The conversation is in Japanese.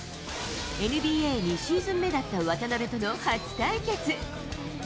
ＮＢＡ２シーズン目だった渡邊との初対決。